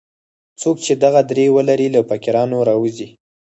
څوک چې دغه درې ولري له فقیرانو راووځي.